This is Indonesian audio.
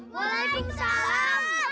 boleh ibu salam